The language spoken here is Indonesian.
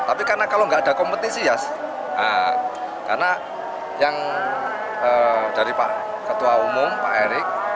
tapi karena kalau nggak ada kompetisi ya karena yang dari pak ketua umum pak erik